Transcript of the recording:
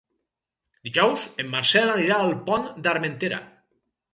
Dijous en Marcel anirà al Pont d'Armentera.